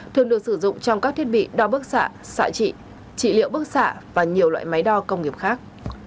thường được sử dụng trong các thiết bị đo bước xạ xạ trị trị liệu bước xạ và nhiều loại máy đo công nghiệp khác